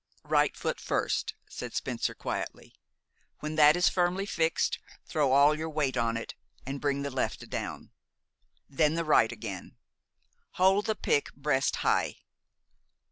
"Right foot first," said Spencer quietly. "When that is firmly fixed, throw all your weight on it, and bring the left down. Then the right again. Hold the pick breast high."